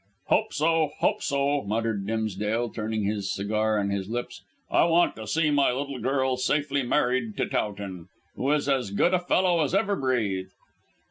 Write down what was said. "Hope so; hope so," muttered Dimsdale, turning his cigar in his lips. "I want to see my little girl safely married to Towton, who is as good a fellow as ever breathed."